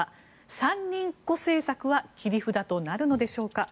三人っ子政策は切り札になるのでしょうか。